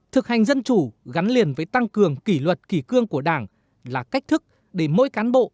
thực hành dân chủ gắn liền với tăng cường kỷ luật kỷ cương của đảng là cách thức để mỗi cán bộ